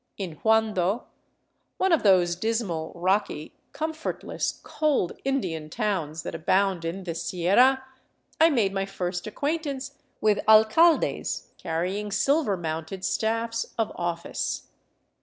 In Huando, one of those dismal, rocky, comfortless, cold Indian towns that abound in the Sierra, I made my first acquaintance with alcaldes carrying silver mounted staffs of office.